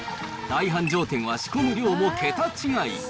大繁盛店は仕込む量も桁違い。